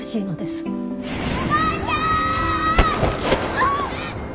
あっ！